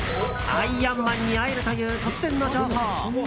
アイアンマンに会えるという突然の情報。